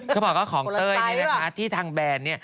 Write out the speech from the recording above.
ก็ว่าของเต้นะคะที่ทางแบรนด์